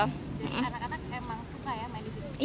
jadi anak anak memang suka ya main di sini